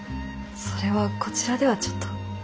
それはこちらではちょっと。